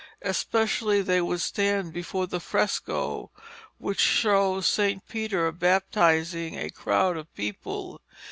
Especially they would stand before the fresco which shows St. Peter baptizing a crowd of people.